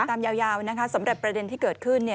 ตามยาวนะคะสำหรับประเด็นที่เกิดขึ้น